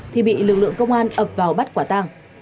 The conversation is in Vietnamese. thì bị lực lượng công an ập vào bắt quả tang